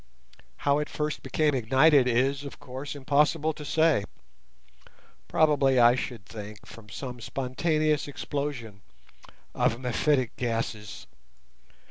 How it first became ignited is, of course, impossible to say—probably, I should think, from some spontaneous explosion of mephitic gases.